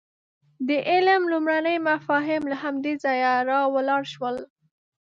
د علم لومړني مفاهیم له همدې ځایه راولاړ شول.